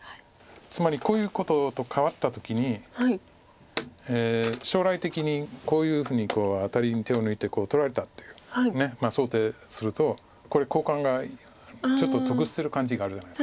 つまりこういうことと換わった時に将来的にこういうふうにアタリに手を抜いて取られたという想定するとこれ交換がちょっと得する感じがあるじゃないですか。